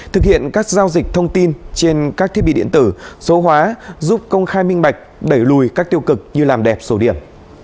thực hiện các giao dịch thông tin trên các thiết bị điện tử số hóa giúp công khai minh bạch đẩy lùi các tiêu cực như làm đẹp số điểm